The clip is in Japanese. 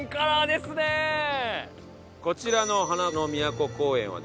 こちらの花の都公園はですね